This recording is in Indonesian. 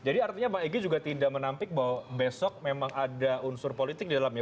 artinya bang egy juga tidak menampik bahwa besok memang ada unsur politik di dalamnya